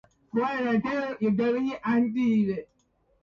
Juega de delantero y actualmente es agente libre.